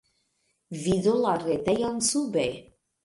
Vidu la retejon sube.